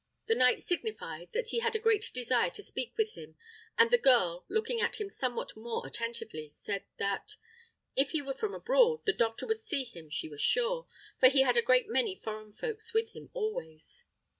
The knight signified that he had a great desire to speak with him; and the girl, looking at him somewhat more attentively, said that, "if he were from abroad, the doctor would see him she was sure, for he had a great many foreign folks with him always."